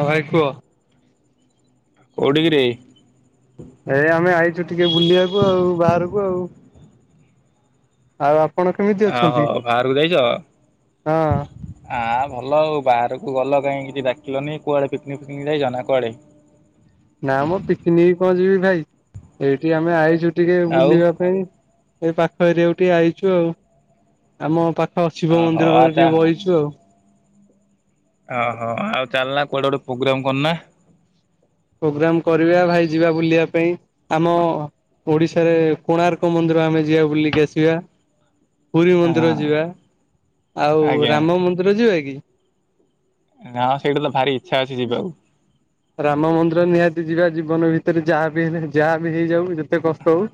ହଁ ଭାଇ କୁହ। କୋଉଠି କିରେ? ଏଇ ଆମେ ଆଇଚୁ ଟିକେ ବୁଲିବାକୁ ଆଉ ବାହାରକୁ ଆଉ। ଆଉ ଆପଣ କେମିତି ଓହୋ, ଅଛନ୍ତି? ବାହାରକୁ ଯାଇଚ? ହଁ ଆ, ଭଲ ଆଉ ବାହାରକୁ ଗଲ କାହିଁ କିଛି ଡାକିଲନି। କୁଆଡେ ପିକନିକ ଫିକନିକ ଯାଇଚ ନା କୁଆଡେ? ନା ମୋ ପିକନିକ କଣ ଯିବି ଭାଇ, ଏଇଠି ଆମେ ଆଇଚୁ ଟିକେ ଆଉ ବୁଲିବା ପାଇଁ। ଏଇ ପାଖ ଏରିଆକୁ ଟିକେ ଆଇଛୁ ଆଉ, ଆମ ପାଖ ଶିବ ଓହୋ ମନ୍ଦିରରେ ଆଚ୍ଛା ଟିକେ ବଇଛୁ ଆଉ। ଓହୋ, ଆଉ ଚାଲନା କୁଆଡେ ଗୋଟେ ପ୍ରୋଗ୍ରାମ୍ କରନା। ପ୍ରୋଗ୍ରାମ୍ କରିବା ଭାଇ ଯିବା ବୁଲିବା ପାଇଁ, ଆମ ଓଡିଶାରେ କୋଣାର୍କ ମନ୍ଦିର ଆମେ ଯିବା ବୁଲିକି ଆସିବା। ପୁରୀ ମନ୍ଦିର ହଁ ଯିବା, ଆଉ ଆଜ୍ଞା ରାମ ମନ୍ଦିର ଯିବା କି? ନା ସେଇଟା ତ ଭାରି ଇଚ୍ଛା ଅଛି ଯିବାକୁ। ରାମ ମନ୍ଦିର ନିହାତି ଯିବା, ଜୀବନ ଭିତରେ ଯାହା ବି ହେଲେ ଯାହା ବି ହେଇଯାଉ ଯେତେ କଷ୍ଟ ହଉ।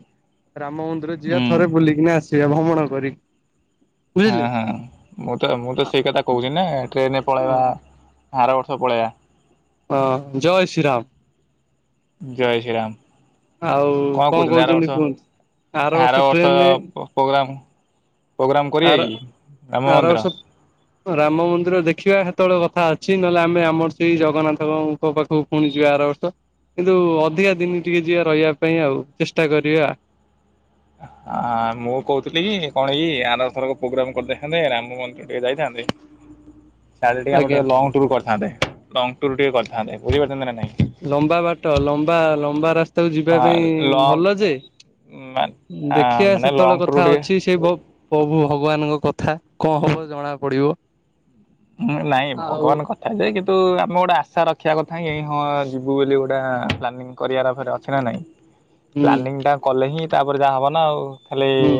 ରାମ ମନ୍ଦିର ଯିବା ହୁଁ ଥରେ ବୁଲିକିନା ଆସିବା ଭ୍ରମଣ କରି। ହଁ, ବୁଝିଲେ। ହଁ ମୁଁ ତ ମୁଁ ତ ସେଇ କଥା କହୁଛି ନା ଟ୍ରେନ୍ ରେ ହଁ। ପଳେଇବା। ଆର ବର୍ଷ ପଳେଇବା। ହଁ ଜୟ ଶ୍ରୀ ରାମ। ଜୟ ଶ୍ରୀ ରାମ। ଆଉ କଣ କହୁଚନ୍ତି? ଆର କହୁଛନ୍ତି ବର୍ଷ କୁହନ୍ତୁ? ଆର ବର୍ଷ ର ପ ପ୍ରୋଗ୍ରାାମ୍ ପ୍ରୋଗ୍ରମ୍ କରିବା ଆର କି ରାମ ଆର ମନ୍ଦିର? ବର୍ଷ ରାମ ମନ୍ଦିର ଦେଖିବା ସେତେବେଳେ କଥା ଅଛି, ନହେଲେ ଆମେ ଆମର ସେଇ ଜଗନ୍ନାଥଙ୍କ ପାଖକୁ ପୁଣି ଯିବା ଆର ବର୍ଷ, କିନ୍ତୁ ଅଧିକା ଦିନ ଟିକେ ଯିବା ରହିବା ପାଇଁ ଆଉ ଚେଷ୍ଟା କରିବା। ଏ ହଁ। ହଁ ମୁଁ କହୁଥିଲି କି କଣ ଏଇ ଆର ଥରକ ପ୍ରୋଗ୍ରାମ୍ କରିଦେଇଥାନ୍ତେ ରାମ ମନ୍ଦିର ଟିକେ ଯାଇଥାନ୍ତେ। ସାଡେ ଟିକେ ଆମର ଆଜ୍ଞା। ଟିକେ ଲଙ୍ଗ ଟୁର୍ କରିଥାନ୍ତେ, ଲଙ୍ଗ ଟୁରୂ ଟିକେ କରିଥାନ୍ତେ, ବୁଝିପାରୁଚନ୍ତି ନା ନାଇଁ? ଲମ୍ବା ବାଟ, ଲମ୍ବା ଲମ୍ବା ରାସ୍ତାକୁ ଯିବା ପାଇଁ ଲଙ୍ଗ ଭଲ ଯେ ମାନେ ଦେଖିଆ ମାନେ ଲଙ୍ଗ ସେତବେଳେ ଟୁର୍ କଥା ଟିକେ ଅଛି ସେଇ ଭ ପ୍ରଭୁ ଭଗବାନଙ୍କ କଥା କଣ ହବ ଜଣା ପଡିବ। ମୁଁ ନାଇଁ ଆଉ ଭଗବାନଙ୍କ ଥା ଯେ କିନ୍ତୁ ଆମେ ଗୋଟେ ଆଶା ରଖିବା କଥା ହଁ ଏଇ ଯିବୁ ବୋଲି ଗୋଟେ ପ୍ଲାନିଂ କରିବାର ଫେର୍ ଅଛି ନା ନାହିଁ। ହୁଁ ପ୍ଲାନିଂ ଟା କଲେ ହିଁ ତାପରେ ଯାହା ହବ ନା ଆଉ, ଖାଲି ହୁଁ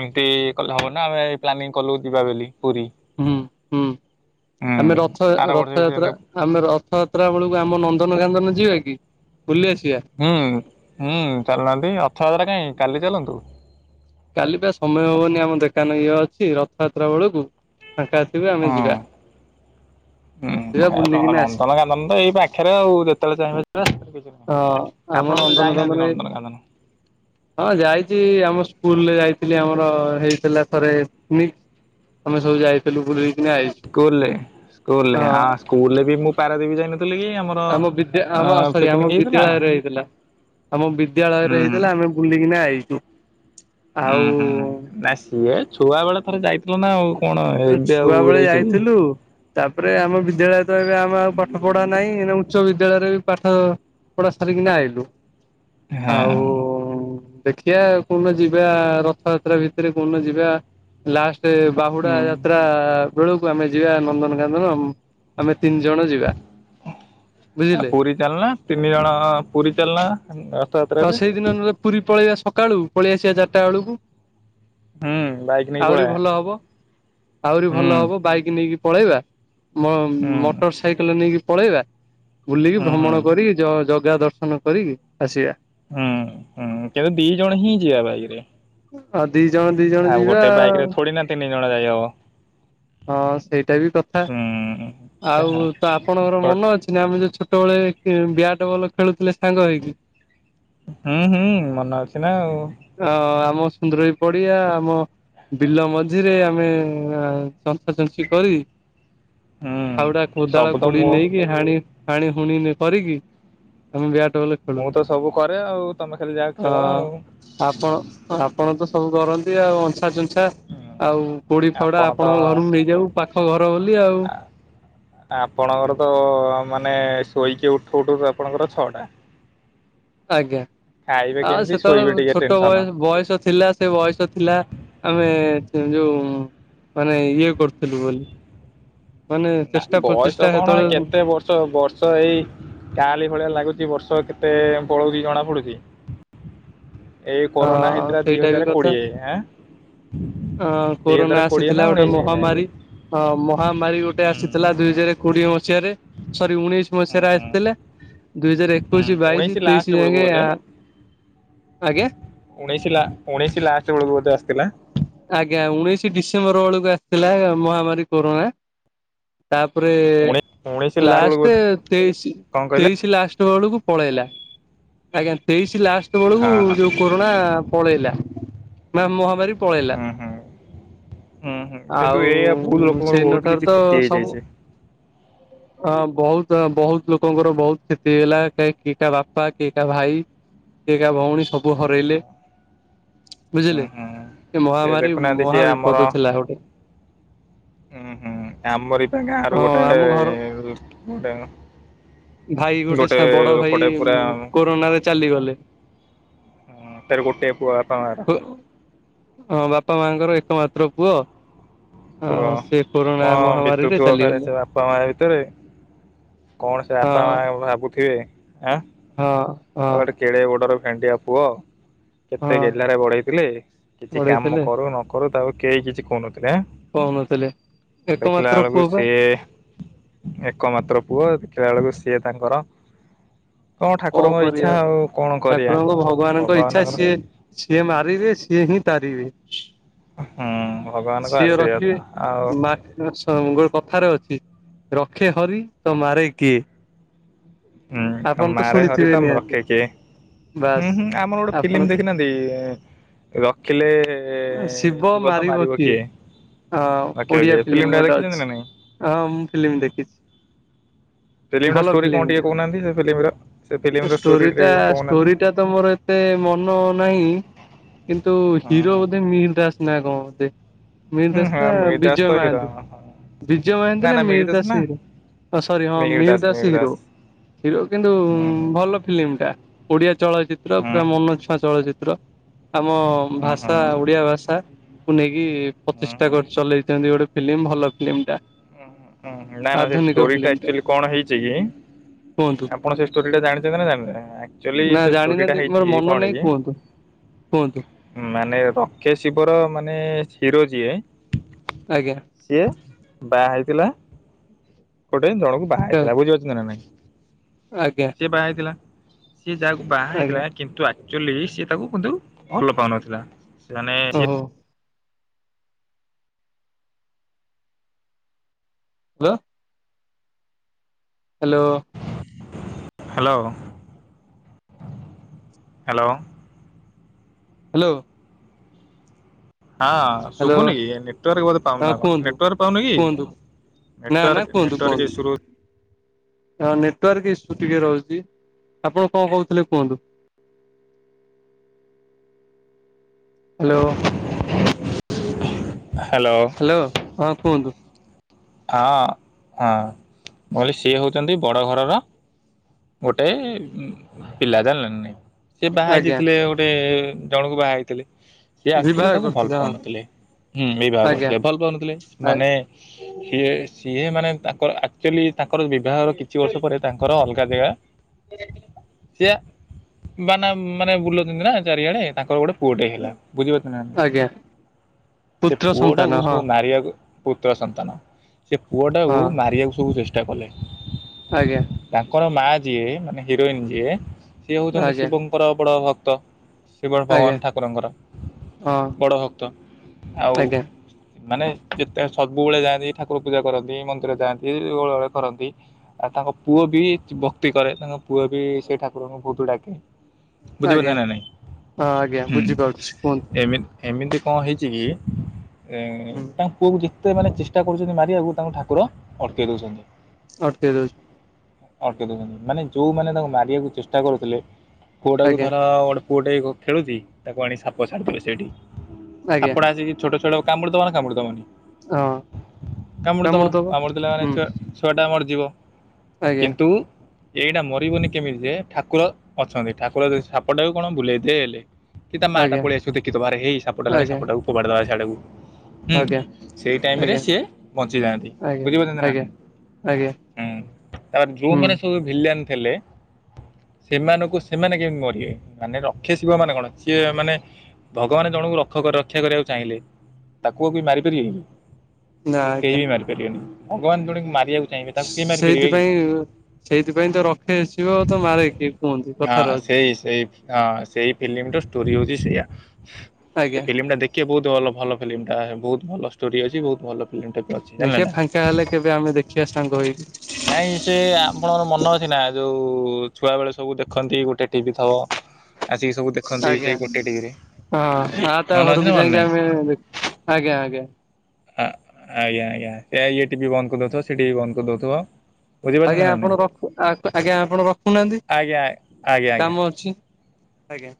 ଏମତି କଲେ ହବ ନା ଆମେ ପ୍ଲାନିଂ କଲୁ ଯିବା ବେଲି ପୁରୀ। ହୁଁ, ହୁଁ ହୁଁ ଆମେ ରଥ ଆର ବର୍ଷ ବି ରଥଯାତ୍ରା ସେମିତି ଆମେ ରଥଯାତ୍ରା ବେଳକୁ ଆମ ନନ୍ଦନକାନନ ଯିବା କି ବୁଲି ଆସିବା? ହୁଁ, ହୁଁ ଚାଲୁ ନାହାନ୍ତି ରଥଯାତ୍ରା କାଇଁ କାଲି ଚାଲନ୍ତୁ। କାଲି ପା ସମୟ ହବନି ଆମ ଦୋକାନ ଇଏ ଅଛି, ରଥଯାତ୍ରା ବେଳକୁ ଫାଙ୍କା ଅଛ ଥିବ ହଁ। ଆମେ ଯିବା, ଯିବା ବୁଲିକିନା ଆସି [inaudible] ନନ ତ ଏଇ ପାଖରେ ଆଉ ଯେତେବେଳେ ଚାହିଁବା ଯିବା, ସେଥିରେ କିଛି ହଁ ନାହିଁ, ଆମ ଆପଣ ତ ଯାଇନାହାନ୍ତି ନନ୍ଦନକାନନ ଏଇ ନନ୍ଦନକାନନ। ହଁ ଯାଇଚି ଆମ ସ୍କୁଲ୍ ରେ ଯାଇଥିଲି ଆମର ହେଇଥିଲା ଥରେ [inaudible] ନି ଆମେ ସବୁ ଯାଇଥିଲୁ ବୁଲିକିନା ଆଇଛୁ ହଁ। ସ୍କୁଲ୍ ରେ ବି ମୁଁ ପାରାଦୀପ ଯାଇନଥିଲି କି ଆମ ଆମ ବିଦ୍ୟା ଆମ ସରି ଆମ ବିଦ୍ୟାଳୟରେ ହେଇଥିଲା। ଆମ ହୁଁ ବିଦ୍ୟାଳୟରେ ହୁଁ। ହେଇଥିଲା, ଆମେ ବୁଲିକିନା ଆଇଚୁ, ହୁଁ ଆଉ ହୁଁ ନା ସିଏ ଛୁଆ ବେଳେ ଥରେ ଯାଇଥିଲ ନା, ଆଉ କଣ ଏବେ ଛୁଆ ଆଉ ବେଳେ ଯାଇଚ କି? ଯାଇଥିଲୁ ତାପରେ ଆମ ବିଦ୍ୟାଳୟ ତ ଏବେ ଆମେ ଆଉ ପାଠ ପଢା ନାହିଁ ଉଚ୍ଚ ବିଦ୍ୟାଳୟରେ ବି ପାଠ ପଢା ସାରିକିନା ଆଇଲୁ। ହଁ ଆଉ ଦେଖ ଖିଆ କୋଉଦିନ ଯିବା ରଥଯାତ୍ରା ଭିତରେ କୋଉଦିନ ଯିବା ଲାଷ୍ଟ ବାହୁଡା ହୁଁ। ଯା ଯାତ୍ରା ବେଳକୁ ଆମେ ଯିବା ନନ୍ଦନକାନନ ଆମେ ତିନି ଜଣ ଯିବା। ବୁଝିଲେ ପୁରୀ ଚାଲୁନା ତିନି ଜଣ ପୁରୀ ଚାଲୁନା ଆଉ ରଥଯାତ୍ରାରେ। ସେଇଦିନ ନହେଲେ ପୁରୀ ପଳେଇବା ସକାଳୁ ପଳେଇ ଆସିବା ଚାରିଟା ବେଳକୁ। ହୁଁ ବାଇକ୍ ଆହୁରି ଭଲ ହବ ଆହୁରି ହୁଁ। ଭଲ ହବ ବାଇକ ନେଇକି ପଳେଇବା। ମ ହୁଁ ମୋଟର ସାଇକେଲ ନେଇକି ପଳେଇବା। ବୁଲିକି ହୁଁ ହୁଁ ଭ୍ରମଣ କର ଯ ଜଗା ଦର୍ ନ କରିକି ଆସିବା। ହୁଁ ହୁଁ କିନ୍ତୁ ଦି ଜଣ ହିଁ ଯିବା ବାଇକ୍ ରେ। ଆଉ ଦି ଜଣ ଦି ଜଣ ଆଉ ଯିବା। ଗୋଟେ ବାଇକ ରେ ଥୋଡି ନା ତିନି ଜଣ ଯାଇହବ। ହଁ ସେଇଟା ବି କଥା ହୁଁ ଆଉ ତାହା ତ ଆପଣଙ୍କର ମନ ହୁଁ ଅଛି? ସ ଆମେ ଯୋଉ ଛୋଟବେଳେ ବ୍ୟାଟ୍ ବଲ ଖେଳୁଥିଲେ ସାଙ୍ଗ ହେଇକି ହୁଁ ହୁଁ ମନ ଅଛି ନା ଆଉ। ହ ଆମ ସୁନ୍ଦର ବି ପଡିଆ ଆମ ବିଲ ମଝିରେ ଆମେ ଚଞ୍ଚ୍ଛା ଚଞ୍ଛି କରି ହୁଁ ଫାଉଡା କୋଦାଳ ସବୁ ତ କୋଡି ମୁଁ ନେଇକି ଆ ହାଣି ହାଣି ହୁଣିନେ କରିକି ଆମେ ବ୍ୟାଟ ବଲ ଖେଳୁ ମୁଁ ତ ସବୁ କରେ ଆଉ ତମେ ଖାଲି ଯାହା ଅ ଖେଳ ଆଉ। ଆପଣ ଆପଣ ତ ସବୁ କରନ୍ତି ଆଉ ଉଁଛା ଚୁଁଛା। ଆଉ କୋଡି ଫାଉଡା ଆପଣ ତ ଆପଣଙ୍କ ଘରକୁ ନେଇଯାଉ ପାଖ ଘର ବୋଲି ଆଉ। ଆପଣଙ୍କର ତ ମାନେ ଶୋଇକି ଉଠୁ ଉଠୁ ଆପଣଙ୍କର ଛଅଟା। ଆଜ୍ଞା ଖାଇବେ ଆଉ କେମିତି ଶୋଇବେ ସେତେବେଳେ ଟିକେ ଛୋଟ ଟେନସନ ବୟ ବୟସ ଥିଲା ସେ ଲ ବୟସ ଥିଲା ଆମେ ଯେ ଯୋଉ ମାନେ ଇଏ କରୁଥିଲୁ ବୋଲି ମାନେ ନା ଚେଷ୍ଟା ବୟସ ପ୍ରଚେଷ୍ଟା କଣ ସେତେବେଳେ କେତେ ବର୍ଷ ବର୍ଷ ଏଇ କାଲି ଭଳିଆ ଲାଗୁଛି ବର୍ଷ କେତେ ପଳଉଛି ଜଣା ପଡୁଛି। ଏଇ ଅ କରୋନା ହେଇଥିଲା ଦି ସେଇଟା ବି ହଜାର କଥା କୋଡିଏଁ। ଅ କୋରୋନା ନା ଆସିଥିଲା ଗୋଟେ ଉଣେଇଶି ହୁଁ ମହାମାରୀ। ହଁ ମହାମାରୀ ଗୋଟେ ହୁଁ ଆସିଥିଲା ଦୁଇ ହଜାର କୋଡିଏ ମସିହାରେ ସରି ଉଣେଇଶି। ହୁଁ ମସିଆରେ ଆସିଥିଲା ଦୁଇ ହଜାର ହୁଁ ଏକୋଇଶି ବାଇଶି ଉଣେଇଶି ଲାଷ୍ଟ ତେଇଶି ବେଳକୁ ଯାକେ ବୋଧେ ଆଁ ଆଜ୍ଞା। ଉଣେଇଶ ଲା ଉଣେଇଶି ଲାଷ୍ଟ ବେଳକୁ ବୋଧେ ଆସିଥିଲା? ଆଜ୍ଞା ଉଣେଇଶି ଡିସେମ୍ବର ବେଳକୁ ଆସିଥିଲା ମହାମାରୀ କୋରନା। ତାପରେ ଉଣେ ଉଣେଇଶି ବେଳକୁ ଲାଷ୍ଟ ବୋଧେ ତେଇଶି କଣ କହିଲେ ତେଇଶି ଲାଷ୍ଟ ବେଳକୁ ପଳେଇଲା ଆଜ୍ଞା ତେଇଶି ଲାଷ୍ଟ ବେଳକୁ ହଁ ହଁ ଯୋଉ କୋରନା ପଳେଇଲା। ମା ମହାମାରୀ ପଳେଇଲା। ହୁଁ ହୁଁ ହୁଁ ହୁଁ କିନ୍ତୁ ଆଉ ଏଇଆ ଉଁ ବହୁତ ଉଁ ଲୋକଙ୍କର ସେଇ ଦିନ ବହୁତ ଠାରୁ କିଛି ତ କ୍ଷତି ସବୁ ହେଇଯାଇଛି। ଅ ବହୁତ ବହୁତ ଲୋକଙ୍କର ବହୁତ କ୍ଷତି ହେଲା କିଏ କା ବାପା କିଏ କା ଭାଇ। କିଏ କା ଭଉଣୀ ସବୁ ହୁଁ ହୁଁ ହରେଇଲେ ହୁଁ ବୁଝିଲେ। ହୁଁ ଏ ସେ ମହାମାରୀ ଦେଖୁନାହାନ୍ତି ସିଏ ମହା ବିପଦ ଆମର ଥିଲା ଗୋଟେ ହୁଁ ହୁଁ ଆମରି ପା ଗାଁ ରୁ ହଁ ଗୋଟେ ଏଁ ଆମ ଘର ଏଁ ଗୋଟେ ଭାଇ ଗୋଟେ ବଡ ଭାଇ ଲୋକଟେ ପୁରା ଉଁ, କୋରୋନା ରେ ଚାଲିଗଲେ। ହୁଁ ତାର ଗୋଟେ ପୁଅ ବାପା ମାଆର। କୋ ହଁ ବାପା ମାଙ୍କର ଏକ ମାତ୍ର ପୁଅ। କୁହ ହଁ ସେ କୋରୋନା କଣ ମହାମାରୀରେ ବିତୁଥିବ ଫେରେ ଚାଲିଗଲେ ସେ ବାପା ମା ଭିତରେ। କଣ ସେ ବାପା ହଁ ମା ଭାବୁଥିବେ ଆଁ। ହଁ। ଆଉ ହଁ। ଗଟେ କେଡେ ବଡର ଭେଣ୍ଡିଆ ପୁଅ। କେତେ ହଁ ଗେଲାରେ ବଢେଇଥିଲେ କିଛି କାମ ବଢେଇଥିଲେ କରୁ ନ କରୁ ତାକୁ କେହି କିଛି କହୁନଥିଲେ ଏଁ। କହୁନଥିଲେ ଦେଖିଲା ଏକମାତ୍ର ଆଳକୁ ପୁଅ ପା। ସିଏ ଏକ ମାତ୍ର ପୁଅ ଦେଖିଲା ଆଳକୁ ସିଏ ତାଙ୍କର କଣ ଠାକୁରଙ୍କ ଇ ଠାକୁରଙ୍କ ଭଗବାନଙ୍କ ଇଚ୍ଛା ଭଗବାନଙ୍କର ସିଏ ସିଏ ମାରିବେ ସିଏ ହିଁ ତାରିବେ। ହୁଁ ଭଗବାନଙ୍କ ସିଏ ଆଶୀର୍ବାଦ ରଖିବେ ଆଉ ମା [unintelligible] ହଁ ଗୋଟେ କଥାରେ ଅଛି ରଖେ ହରି ତ ମାରେ କିଏ? ହୁଁ ଆପଣ ତ ମାରେ ହରି ଶୁଣିଥିବେ ତ ନିହାତି ରଖେ କିଏ? ବାସ୍ ହୁଁ ହୁଁ ଆମର ଗୋଟେ ଫିଲ୍ମ ଆପଣ ଦେଖିନାହାନ୍ତି। ରଖିଲେ ଶିବ ତ ମାରିବ କିଏ? ହଁ ରଖିବ ଓଡିଆ କିଏ ଫିଲ୍ମ ଟା ଗୋଟେ ଦେଖିଛନ୍ତି ଅଛି ନା ନାଇଁ ହଁ ମୁଁ ଫିଲ୍ମ ଦେଖିଚି। ଫିଲ୍ମ ର ଷ୍ଟୋରି କଣ ଟିକେ କହୁନାହାନ୍ତି ସେ ଫିଲ୍ମ ର ସେ ଫିଲ୍ମର ଷ୍ଟୋରି ଟିକେ ଷ୍ଟୋରିଟା କଣ କହୁନାହାନ୍ତି। ଷ୍ଟୋରିଟା ତ ମୋର ଏତେ ମନ ନାହିଁ କିନ୍ତୁ ହୁଁ ହିରୋ ହୁଁ ବୋଧେ ମିହିର ଦାସ। ନା କଣ ଦି ମିର ହୁଁ ଦାସ ହଁ ନା ମିହିର ଦାସ ବିଜୟ ତ ହିରୋ ମହାନ୍ତି ବିଜୟ ମହାନ୍ତି ନା ମିର ଦାସ ଇଏ ଅ ସରି ହଁ ମିହିର ଦାସ ହିରୋ। ହିରୋ କିନ୍ତୁ ହୁଁ ହୁଁ ଭଲ ଫିଲ୍ମ ଟା ଓଡିଆ ଚଳଚିତ୍ର ହୁଁ ପୁରା ମନ ଛୁଆଁ ଚଳଚି ତ୍ର ଆମ ହୁଁ ହୁଁ ଭାଷା ହୁଁ ଓଡିଆ ଭାଷା। କୁ ନେଇକି ପ୍ରଚେଷ୍ଟା ହୁଁ କରି ଚଲେଇଛନ୍ତି ଗୋଟେ ଫିଲ୍ମ ଭଲ ଫିଲ୍ମ ଟା। ଉଁ ହୁଁ ନାଇ ନାଇ ସେ ଆଧୁନିକ ଷ୍ଟୋରି ଟା ଆକ୍ଚୁଆଲି କଣ ହେଇଛି କି? କୁହନ୍ତୁ ଆପଣ ସେ ଷ୍ଟୋରି ଟା ଜାଣିଛନ୍ତି ନା ଜା ଆକଚୁଆଲି ନା ସେ ଷ୍ଟୋରୀ ଟା ଜାଣିନାହାନ୍ତି ମୋର ହେଇଚି ମନ କଣ ନାହିଁ କି? କୁହନ୍ତୁ କୁହନ୍ତୁ। ମାନେ ରଖେ ଶିବର ମାନେ ହିରୋ ଯିଏ। ଆଜ୍ଞା। ସିଏ। ବାହା ହେଇଥିଲା ଗୋଟେ ଜଣକୁ ବାହା ହେଇଥିଲା ବୁଝିପାରୁଛନ୍ତି ନା ନାଇଁ। ଆଜ୍ଞା। ସିଏ ବାହା ହେଇଥିଲା ସିଏ ଯାହାକୁ ବାହା ଆଜ୍ଞା ହେଇଥିଲା କିନ୍ତୁ ଆ ଚୁଲି ସି ତାକୁ କିନ୍ତୁ ଭଲ ପାଉନଥିଲା ମାନେ ସିଏ ଓହୋ hello. Hello hello hello hello ହଁ ହ୍ୟାଲୋ ଶୁଭୁନି କି ନେଟାର୍କ ବୋଧେ ପାଉନି ହଁ ନା କଣ କୁହନ୍ତୁ ନେଟାର୍ ପାଉନି କି? କୁହନ୍ତୁ ନା ନା ନେଟୱାର୍କ ନେଟୱାର୍କ ଈସୁ ହଁ ନେଟୱାର୍କ ଇସ୍ୟୁ ଟିକେ ରହୁଛି ଆପଣ କଣ କହୁଥିଲେ କୁହନ୍ତୁ ହ୍ୟାଲୋ ହ୍ୟାଲୋ ହ୍ୟାଲୋ ହଁ କୁହନ୍ତୁ ହଁ ହଁ କହିଲ ସିଏ ହେଉଛନ୍ତି ବଡ଼ ଘରର ଗୋଟେ ପିଲା ଜାଣିଲି ସେ ବାହା ଆଜ୍ଞା ହେଇଯାଇଥିଲେ ଗୋଟେ ଜଣକୁ ବାହା ହେଇଥିଲେ ସେ ଆକ୍ଚୁଆଲି ବିବାହ ତାକୁ ଭଲ କରୁଥିଲେ ହଁ ପାଉନଥିଲେୁଁ ବିବାହ ଆଜ୍ଞା କରୁଥିଲେ ଭଲ ପାଉନଥିଲେ ମାନେ ସିଏ ସିଏ ମାନେ ତାଙ୍କର ଆକ୍ଚୁଆଲି ତାଙ୍କର ବିବାହର କିଛି ବର୍ଷ ପରେ ତାଙ୍କର ଅଲଗା ଜାଗା ସେ ସେଆ ବାନା ମାନେ ବୁଲଛନ୍ତି ନା ଚାରିଆଡେ ତାଙ୍କର ଗୋଟେ ପୁଅଟେ ହେଲା ବୁଝିପାରୁ ନା ଆଜ୍ଞା ସେ ପୁତ୍ର ସନ୍ତାନ ପୁଅଟାକୁ ହଁ ସବୁ ମାରିବାକୁ ପୁତ୍ର ସନ୍ତାନ ସେ ପୁଅ ଟାକୁ ହଁ ମାରିବାକୁ ସବୁ ଚେଷ୍ଟା କଲେ ଆଜ୍ଞା। ତାଙ୍କର ମା ଯିଏ ମାନେ ହିରୋଇନ ଯିଏ ସିଏ ହଉଛନ୍ତି ଆଜ୍ଞା ଶିବଙ୍କର ବଡ ଭକ୍ତ। ଶିବ ଆଜ୍ଞା ଭଗବାନ ଠାକୁରଙ୍କର ହଁ ବଡ଼ ଭକ୍ତ ଆଉ ଆଜ୍ଞା ମାନେ ଯେତେ ସବୁବେଳେ ଯାଆନ୍ତି ଠାକୁର ପୂଜା କରନ୍ତି ମନ୍ଦିର ଯାଆନ୍ତି ଓଳାଓଳି କରନ୍ତି। ଆଉ ତାଙ୍କ ପୁଅ ବି ଭକ୍ତି କରେ ତାଙ୍କ ପୁଅ ବି ସେଇ ଠାକୁରଙ୍କୁ ବହୁତ ଡାକେ। ବୁଝିପାରୁଛ ନା ଆଜ୍ଞା ନା ନାଇଁ ହଁ ଆଜ୍ଞା ବୁଝିପାରୁଛି କୁହନ୍ତୁ ହୁଁ ଏମିତି ଏମିତି କଣ ହେଇଛି କି ଏ ହୁଁ ତା ପୁଅକୁ ଯେତେ ମାନେ ଚେଷ୍ଟ ଚେଷ୍ଟା କରୁଛନ୍ତି ମାରି ଆକୁ ତାଙ୍କୁ ଠାକୁର ଅଟକେଇ ଦଉଛନ୍ତି। ଅଟକେଇ ଦଉଛନ୍ତି। ଅଟକି ଦଉଛନ୍ତି ମାନେ ଯୋଉମାନେ ତାଙ୍କୁ ମାରିବାକୁ ଚେଷ୍ଟା କରୁଥିଲେ ପୁଅଟାକୁ ଆଜ୍ଞା ଧର ଗୋଟେ ପୁଅଟେଇ ଖେଳୁଛି ତାକୁ ଆଣି ସାପ ଛାଡିଦେବେ ସେଇଠି। ଆଜ୍ଞା ସାପଟା ଆସିକି ଛୋଟ ଛୁଆଟାକୁ କାମୁଡ଼ିଦବ ନା କାମୁଡିଦବନି? ହଁ। କାମୁଡ଼ିଦବ କାମୁଡିଦବ କାମୁଡ଼ି ଦେଲା ମାନେ ହୁଁ ଛୁ-ଛୁଆଟା ମରିଯିବ ଆଜ୍ଞା କିନ୍ତୁ ଏଇଟା ମରିବନି କେମିତି ଯେ ଠାକୁର ଅଛନ୍ତି ଠାକୁର ସାପଟାକୁ କଣ ବୁଲେଇ ଦେଲେ। କି ତା ମା ଟା ଆଜ୍ଞା ପଳେଇ ଆସିବ ଦେଖି ଦବ ଆରେ ହେଇ ସାପଟାଲାଣି ଆଜ୍ଞା ସାପଟାକୁ ଫୋପାଡିଦବା ସାଡକୁ ହୁଁ ଆଜ୍ଞା ସେଇ ଟାଇମରେ ଆଜ୍ଞା ସେ ବଞ୍ଚିଯାନ୍ତି ଆଜ୍ଞା ବୁଝିପାରୁଛନ୍ତି ନା ଆଜ୍ଞା ନାହିଁ ଆଜ୍ଞା ହୁଁ ତାପରେ ହୁଁ ଯୋଉମାନେ ସେ ଭିଲିଆନ ଥିଲେ ସେମାନଙ୍କୁ ସେମାନେ କେମିତି ମରିବେ ମାନେ ରକ୍ଷେ ଶିବ ମାନେ କଣ ସିଏ ମାନେ ଭଗବାନ ଜଣଙ୍କୁ ରକ୍ଷ ରକ୍ଷା କରିବାକୁ ଚାହିଁଲେ ତାକୁ ଆଉ କିଏ ମାରିପାରିବେ କି? ନା କେହି ଆଜ୍ଞା ବି ମାରି ପାରିବେନି ଭଗବାନ ଜଣଙ୍କୁ ମାରିବାକୁ ଚାହିଁବେ ତାକୁ କେହି ମାରିପାରିବେ କି ସେଇଥିପାଇଁ ସେଇଥିପାଇଁ ତ ରକ୍ଷେ ଶିବ ତ ମାରେ କିଏ କୁହନ୍ତି କଥାର ଅଛି। ହଁ, ସେଇ ସେଇ ଫିଲ୍ମର ଷ୍ଟୋରି ହଉଛି ସେଇୟା ସେ ଆଜ୍ଞା ଫିଲ୍ମ ଟା ଦେଖ ଟିକେ ବହୁତ ଭଲ-ଭଲ ଫିଲ୍ମଟା ବହୁତ ଭଲ ଷ୍ଟୋରି ଅଛି ବହୁତ ଭଲ [inaudible] ଟାଇପ୍ ର ଅଛି। ଜାଣିଲେ ଦେଖିବା ନା ଫାଙ୍କା ହେଲେ କେବେ ଆମେ ଦେଖିବା ସାଙ୍ଗ ହେଇକି। ନାଇଁ ସେ ଆପଣଙ୍କର ମନ ଅଛି ନା ଯୋଉ ଛୁଆ ବେଳେ ସବୁ ଦେଖନ୍ତି ଗୋଟେ ଟିଭି ଥବ। ଆସିକି ସବୁ ଦେଖନ୍ତି ଆଜ୍ଞା, ସେଇ ଗୋଟେ ଟିଭିରେ ହଁ ଆ ତା ମନେ ଅଛି ନା ଘରକୁ ମନେ ଯାଇକି ନାହିଁ? ଆମେ ଦେଖୁ ଆଜ୍ଞା-ଆଜ୍ଞା। ଆଜ୍ଞା-ଆଜ୍ଞା ଇଏ ଟିଭି ବନ୍ଦ କରିଦଉଥିବ ସିଏ ଟିଭି ବନ୍ଦ କରିଦଉଥିବ। ବୁଝିପାରୁଛନ୍ତି ଆଜ୍ଞା ନା ନାଇଁ ଆପଣ ରଖୁ ଆଜ୍ଞା ଆପଣ ରଖୁନାହାନ୍ତି ଆଜ୍ଞା ଆଜ୍ଞା ଆଜ୍ଞା। କାମ ଅଛି। ଆଜ୍ଞା।